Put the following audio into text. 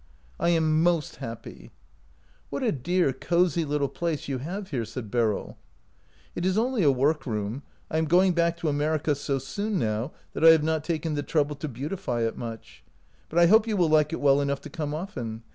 " I am most happy." " What a dear, cozy little place you have here !" said Beryl. " It is only a workroom. I am going back to America so soon now that I have not taken the trouble to beautify it much; but I hope you will like it well enough to come often.